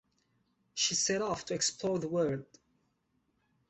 She set off to explore the world